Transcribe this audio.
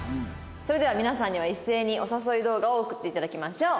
それでは皆さんには一斉にお誘い動画を送っていただきましょう。